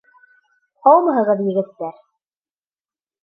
Һаумыһығыҙ, егеттәр!